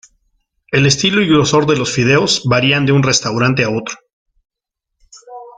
El estilo y grosor de los fideos varían de un restaurante a otros.